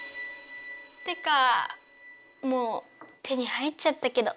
てかもう手に入っちゃったけど。